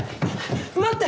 待って！